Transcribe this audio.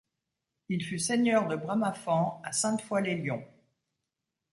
Il fut seigneur de Bramafan à Sainte-Foy-lès-Lyon.